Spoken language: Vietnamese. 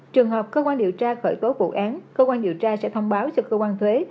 trường hợp cơ quan điều tra khởi tố vụ án cơ quan điều tra sẽ thông báo cho cơ quan thuế